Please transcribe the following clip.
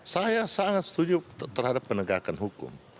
saya sangat setuju terhadap penegakan hukum